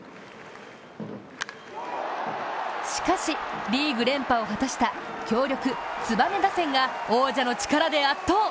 しかしリーグ連覇を果たした強力ツバメ打線が王者の力で圧倒。